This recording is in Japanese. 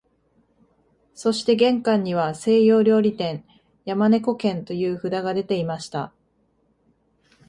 そして玄関には西洋料理店、山猫軒という札がでていました